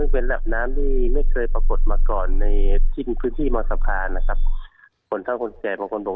เป็นระดับน้ำที่ไม่เคยปรากฎมาก่อนในพื้นที่มาสะพาน